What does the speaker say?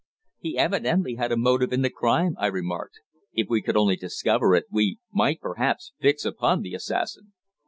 "He evidently had a motive in the crime," I remarked. "If we could only discover it, we might perhaps fix upon the assassin."